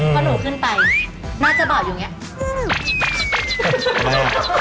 พอหนูขึ้นไปน่าจะเบาะอยู่อย่างนี้